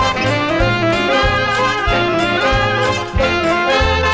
สวัสดีครับ